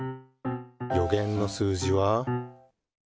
よげんの数字は。